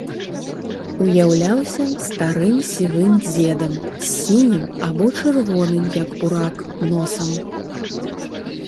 Уяўляўся старым сівым дзедам з сінім або чырвоным, як бурак, носам.